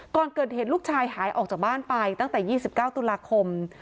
ก่อนเกิดเหตุลูกชายหายออกจากบ้านไปตั้งแต่๒๙ตุลาคม